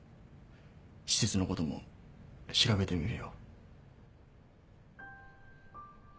施設のことも調べてみるよ。